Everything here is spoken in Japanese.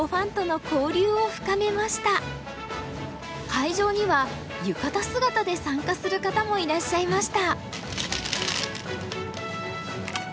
会場には浴衣姿で参加する方もいらっしゃいました。